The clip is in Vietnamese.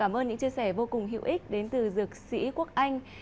cảm ơn những chia sẻ vô cùng hữu ích đến từ dược sĩ quốc anh